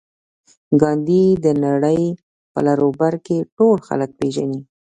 ګاندي د نړۍ په لر او بر کې ټول خلک پېژني